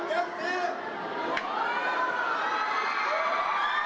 สวัสดีครับ